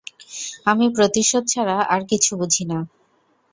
আমি প্রতিশোধ ছাড়া আর কিছু বুঝি না।